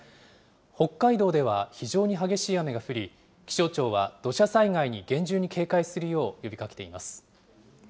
北海道では非常に激しい雨が降り、気象庁は、土砂災害に厳重に警戒するよう呼びかけています。